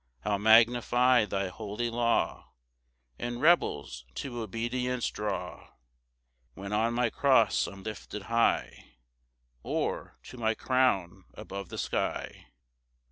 6 "I'll magnify thy holy law, "And rebels to obedience draw, "'When on my cross I'm lifted high, "Or to my crown above the sky.